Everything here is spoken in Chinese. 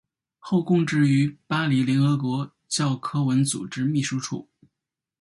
后供职于巴黎联合国教科文组织秘书处。